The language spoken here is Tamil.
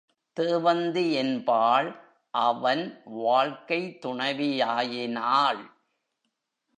தேவந்தி என்பாள் அவன் வாழ்க்கைத் துணைவியாயினாள்.